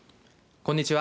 こんにちは。